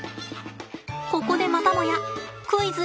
ここでまたもやクイズ